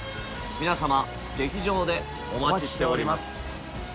皆様劇場でお待ちしております